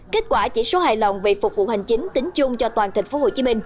kết quả chỉ số hài lòng về phục vụ hành chính tính chung cho toàn tp hcm